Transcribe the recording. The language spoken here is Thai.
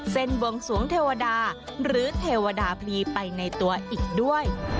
บวงสวงเทวดาหรือเทวดาพลีไปในตัวอีกด้วย